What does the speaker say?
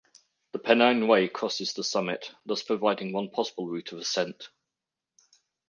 The Pennine Way crosses the summit, thus providing one possible route of ascent.